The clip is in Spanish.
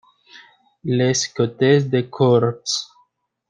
Les Côtes-de-Corps